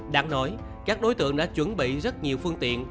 đáng nói các đối tượng đã chuẩn bị rất nhiều phương tiện